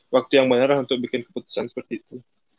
waktu yang banyak lah untuk bikin keputusan seperti itu